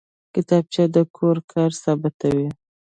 کتابچه د کور کار ثبتوي